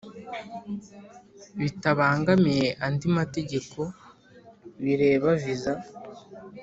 Bitabangamiye andi mategeko bireba viza